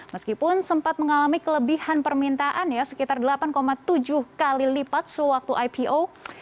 meskipun sempat mengalami kelebihan permintaan ya sekitar delapan tujuh kali lipat sewaktu ipo